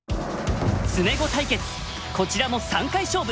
詰碁対決こちらも３回勝負。